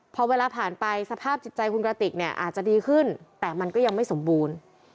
พอเวลาผ่านไปสภาพจิตใจคุณกระติกเนี่ยอาจจะดีขึ้นแต่มันก็ยังไม่สมบูรณ์